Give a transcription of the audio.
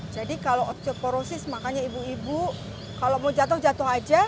jadi kalau osteoporosis makanya ibu ibu kalau mau jatuh jatuh saja